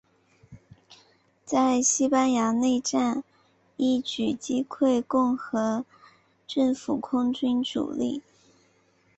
在西班牙内战一举击溃共和政府空军主力。